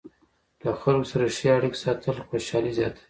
له خلکو سره ښې اړیکې ساتل خوشحالي زیاتوي.